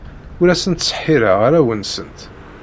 Ur asent-ttseḥḥireɣ arraw-nsent.